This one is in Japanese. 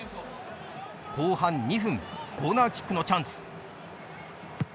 後半２分コーナーキックのチャンス。